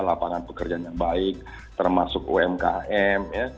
lapangan pekerjaan yang baik termasuk umkm